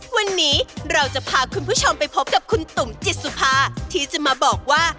วันนี้เราจะพาคุณผู้ชมไปพบกับคุณตุ๋มจิตสุภาที่จะมาบอกว่า